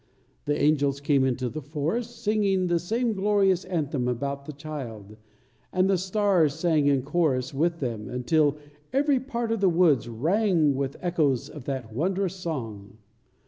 The angels came into the forest, singing the same glorious anthem about the Child, and the stars sang in chorus with them, until every part of the woods rang with echoes of that wondrous song.